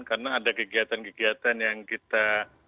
karena ada kegiatan kegiatan yang kita